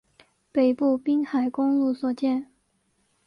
北部滨海公路所见